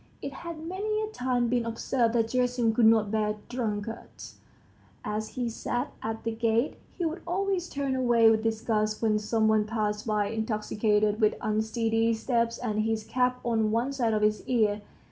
It had many a time been observed that Gerasim could not bear drunkards. ... As he sat at the gates, he would always turn away with disgust when some one passed by intoxicated, with unsteady steps and his cap on one side of his ear.